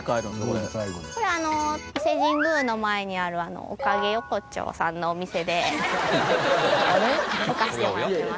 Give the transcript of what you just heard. これあの伊勢神宮の前にあるおかげ横丁さんのお店で置かせてもらってます。